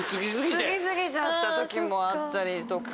つき過ぎちゃった時もあったりとか。